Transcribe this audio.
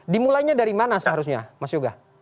dimulainya dari mana seharusnya mas yoga